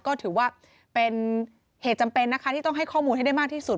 ก็ถือว่าเป็นเหตุจำเป็นนะคะที่ต้องให้ข้อมูลให้ได้มากที่สุด